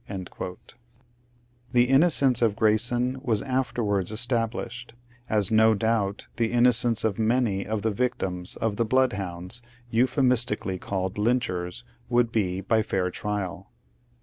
A MORAL CRISIS 89 The innocenoe of Grayson was afterwards established, as no doubt the innooenoe of many of the victims of the blood hounds euphemistically called lynchers would be by fair trial.